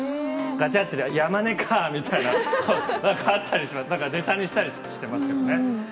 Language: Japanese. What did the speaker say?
ガチャって、山根かぁみたいな、あったりします、ネタにしたりしてますけどね。